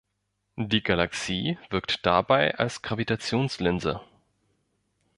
Die Galaxie wirkt dabei als Gravitationslinse.